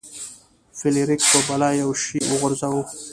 فلیریک په بلا یو شی وغورځاوه.